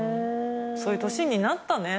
そういう年になったね。